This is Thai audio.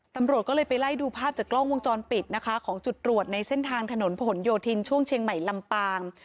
ตำรวจก็เลยไปไล่ดูภาพจากกล้องวงจรปิดนะคะของจุดตรวจในเส้นทางถนนผนโยธินช่วงเชียงใหม่ลำปาง